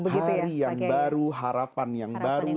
hari yang baru harapan yang baru